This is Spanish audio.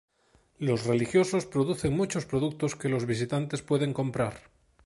Los religiosos producen muchos productos que los visitantes pueden comprar.